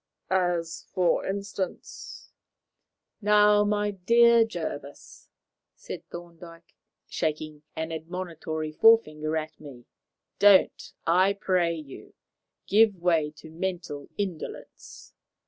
"As, for instance ?" "Now, my dear Jervis," said Thorndyke, shaking an admonitory forefinger at me, "don't, I pray you, give way to mental indolence.